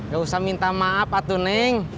gak usah minta maaf atu neng